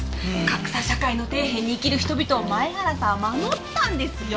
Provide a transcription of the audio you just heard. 格差社会の底辺に生きる人々を前原さんは守ったんですよ。